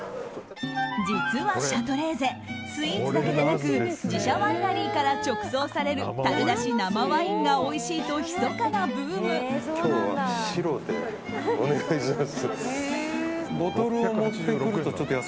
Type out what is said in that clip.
実はシャトレーゼスイーツだけでなく自社ワイナリーから直送される樽出し生ワインがおいしいと今日は白でお願いします。